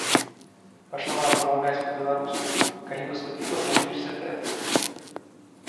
Пачала размаўляць па-беларуску, калі паступіла ва ўніверсітэт.